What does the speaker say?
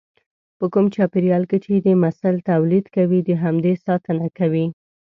په کوم چاپېريال کې چې د مثل توليد کوي د همدې ساتنه کوي.